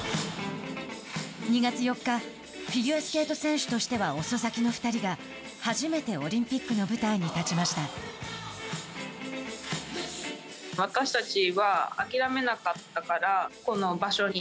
２月４日フィギュアスケート選手としては遅咲きの２人が初めてオリンピックの舞台に立ちました。